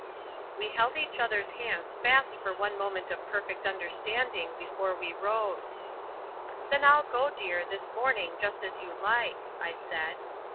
We held each other's hands fast for one moment of perfect understanding before we rose. "Then I'll go, dear, this morning, just as you like," I said.